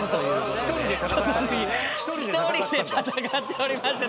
１人で戦っておりました。